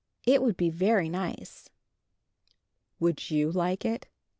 "It would be very nice." "Would you like it?"